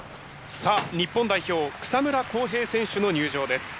さあ日本代表草村航平選手の入場です。